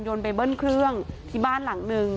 ไปเบิ้ลเครื่องที่บ้านหลังนึง